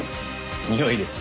においです。